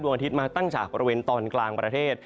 อาทิตย์มาตั้งจากบริเวณตอนกลางประเทศ